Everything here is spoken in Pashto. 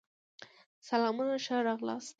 سلامونه ښه راغلاست